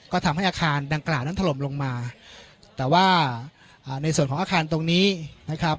ก็ทำให้อาคารดังกล่าวนั้นถล่มลงมาแต่ว่าอ่าในส่วนของอาคารตรงนี้นะครับ